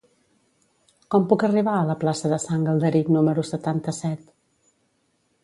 Com puc arribar a la plaça de Sant Galderic número setanta-set?